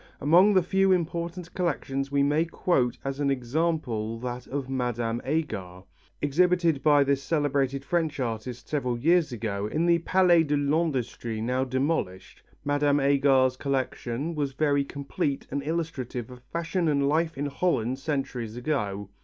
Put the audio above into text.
Among the few important collections we may quote as an example that of Mme. Agar, exhibited by this celebrated French artist several years ago in the Palais de l'Industrie now demolished. Mme. Agar's collection was very complete and illustrative of fashion and life in Holland centuries ago.